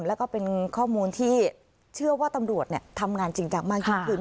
แล้วก็เป็นข้อมูลที่เชื่อว่าตำรวจทำงานจริงจังมากยิ่งขึ้น